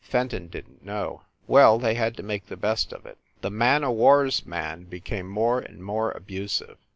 Fenton didn t know. Well, they had to make the best of it. The man o war s man became more and more abusive.